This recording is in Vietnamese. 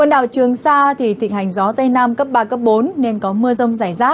thịnh hành gió tây nam cấp ba cấp bốn nên có mưa rông rảy rác